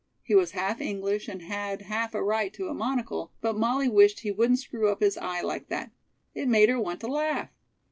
He was half English and had half a right to a monocle, but Molly wished he wouldn't screw up his eye like that. It made her want to laugh.